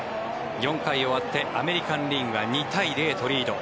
４回終わってアメリカン・リーグが２対０とリード。